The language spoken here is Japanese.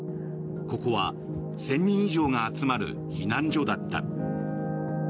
ここは１０００人以上が集まる避難所だった。